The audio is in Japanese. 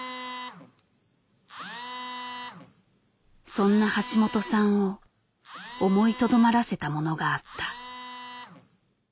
そんな橋本さんを思いとどまらせたものがあった。